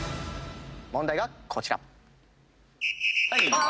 問題はこちら。